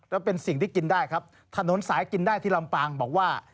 แล้วเป็นสิ่งที่กินได้ครับถนนสายกินได้ที่ลำปางบอกว่า